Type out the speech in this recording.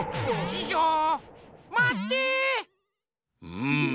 うん。